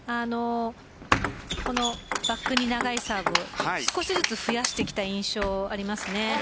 このバックに長いサーブを少しずつ増やしてきた印象があります。